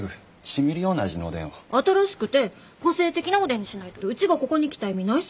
新しくて個性的なおでんにしないとうちがここに来た意味ないさ。